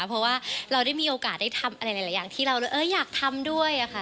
เพราะว่าเราได้มีโอกาสได้ทำอะไรหลายอย่างที่เราอยากทำด้วยค่ะ